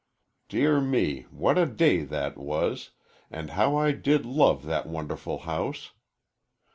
Dear me, what a day that was, and how I did love that wonderful house!